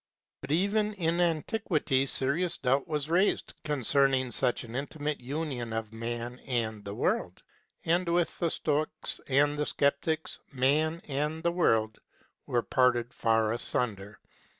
But even in antiquity serious doubt was raised concerning such an intimate union of man and the world; and with the Stoics and the Sceptics man and the world were parted far asunder.